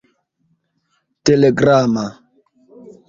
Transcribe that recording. telegrama